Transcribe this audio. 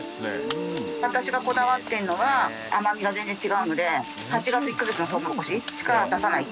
私がこだわってるのは甘みが全然違うので８月１カ月のトウモロコシしか出さないって。